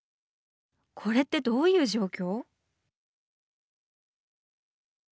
これってどういう状況？